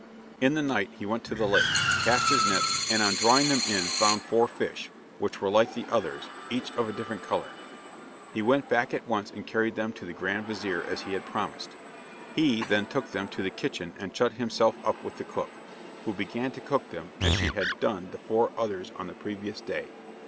In the night he went to the lake, cast his nets, and on drawing them in found four fish, which were like the others, each of a different colour. He went back at once and carried them to the grand vizir as he had promised. He then took them to the kitchen and shut himself up with the cook, who began to cook them as she had done the four others on the previous day.